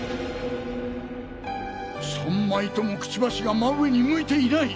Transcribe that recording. ３枚ともクチバシが真上に向いていない。